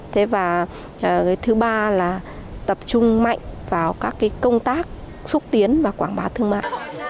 thứ ba là tập trung mạnh vào các công tác xúc tiến và quảng bá thương mại